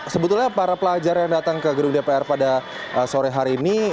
sebetulnya para pelajar yang datang ke gedung dpr pada sore hari ini